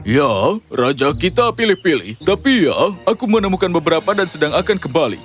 ya raja kita pilih pilih tapi ya aku menemukan beberapa dan sedang akan kembali